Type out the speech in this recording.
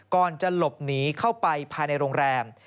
ก่อนจะหลบหนีเข้าไปภายในโรงแรม